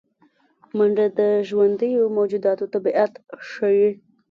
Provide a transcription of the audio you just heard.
منډه د ژوندي موجوداتو طبیعت ښيي